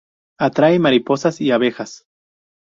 Atrae mariposas y abejas.